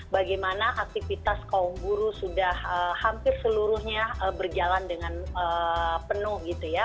bagaimana aktivitas kaum buruh sudah hampir seluruhnya berjalan dengan penuh gitu ya